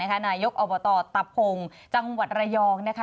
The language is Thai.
นายกอบตตับโพงจังหวัดระยอง